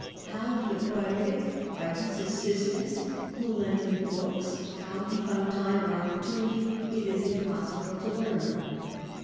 How he acquired it, by whose assist ance, who lent him books, how he found time or oppor tunity, it is impossible to learn.